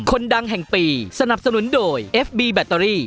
คนดังแห่งปีสนับสนุนโดยเอฟบีแบตเตอรี่